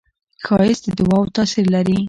ښایست د دعاوو تاثیر لري